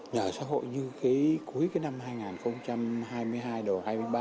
nhà ở xã hội như cuối năm hai nghìn hai mươi hai đầu hai mươi ba đó